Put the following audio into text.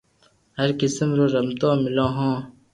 هر قسم رو رمتون ملو هي